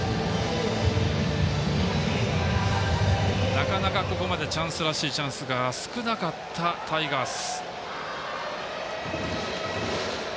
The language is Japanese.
なかなか、ここまでチャンスらしいチャンスが少なかったタイガース。